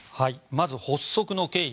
まず発足の経緯。